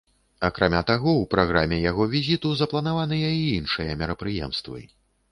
Акрамя таго, у праграме яго візіту запланаваныя і іншыя мерапрыемствы.